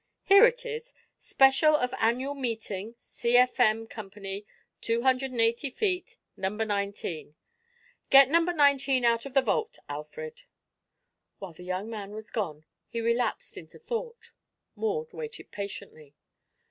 "Here it is: 'Special of Annual Meeting, C.F.M. Co. 280 feet. No. 19,' Get number nineteen out of the vault, Alfred." While the young man was gone he relapsed into thought. Maud waited patiently.